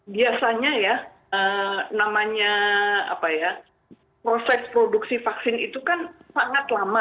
biasanya ya namanya proses produksi vaksin itu kan sangat lama